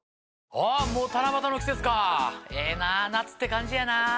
あっもう七夕の季節かええな夏って感じやなぁ。